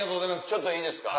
ちょっといいですか。